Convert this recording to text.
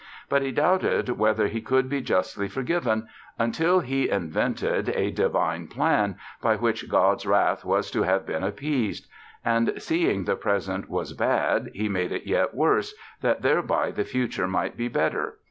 But he doubted whether he could be justly forgiven, until he invented a divine Plan by which God's wrath was to have been appeased. And seeing the present was bad, he made it yet worse, that thereby the future might be better.